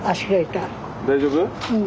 大丈夫？